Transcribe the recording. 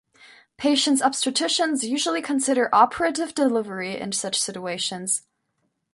Patient's obstetricians usually consider operative delivery in such situations.